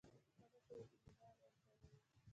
هغه ته یې اطمینان ورکړی وو.